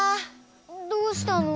どうしたの？